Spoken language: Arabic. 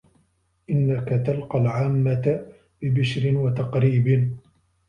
إنَّك تَلْقَى الْعَامَّةَ بِبِشْرٍ وَتَقْرِيبٍ